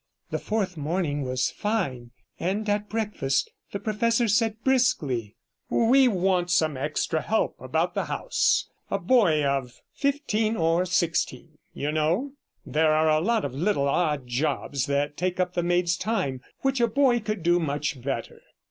The fourth morning was fine, and at breakfast the professor said briskly: 'We want some extra help about the house; a boy of fifteen or sixteen, you know. There are a lot of little odd jobs that take up the maids' time which a boy could do much better.'